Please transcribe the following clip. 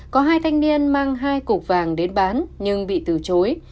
có hai thanh niên mang hai cục vàng đến bán nhưng bị từ chối